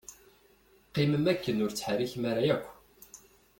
Qqimem akken ur ttḥerrikem ara akk.